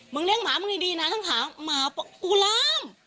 มึงเลี้ยงหมามึงดีดีน่ะทั้งขาหมากูล้าม